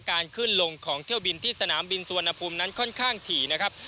การขึ้นลงของเที่ยวบินที่สนามบินสุวรรณภูมินั้นค่อนข้างถี่นะครับ